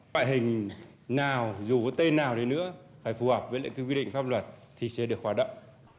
vại hình nào dù có tên nào nữa phải phù hợp với quy định pháp luật thì sẽ được hoạt động